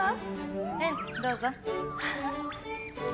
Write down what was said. ええどうぞ。